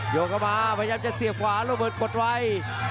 ยกออกมาพยายามจะเสียขวาโลเวิร์ดกดไว้